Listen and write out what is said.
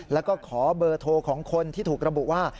แล้วก็ขอเบอร์โทรของคนที่ถูกระบุว่า